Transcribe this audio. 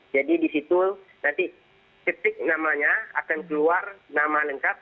jadi disitu nanti titik namanya akan keluar nama lengkap